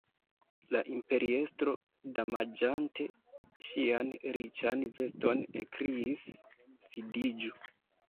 La imperiestro, domaĝante ŝian riĉan veston, ekkriis: "sidiĝu! »